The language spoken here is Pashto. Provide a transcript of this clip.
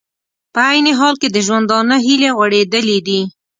په عین حال کې د ژوندانه هیلې غوړېدلې دي